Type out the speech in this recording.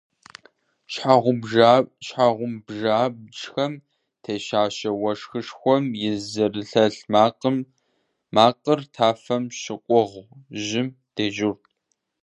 Щхьэгъубжэ абджхэм тещащэ уэшхышхуэм и зэрылъэлъ макъыр тафэм щыкъугъ жьым дежьурт.